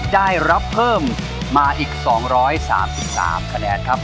ได้รับเพิ่มมาอีก๒๓๓คะแนนครับ